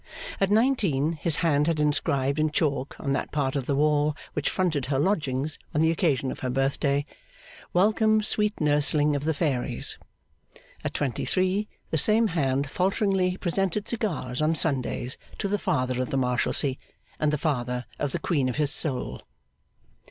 At nineteen, his hand had inscribed in chalk on that part of the wall which fronted her lodgings, on the occasion of her birthday, 'Welcome sweet nursling of the Fairies!' At twenty three, the same hand falteringly presented cigars on Sundays to the Father of the Marshalsea, and Father of the queen of his soul.